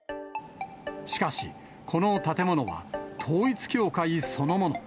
しかし、この建物は統一教会そのもの。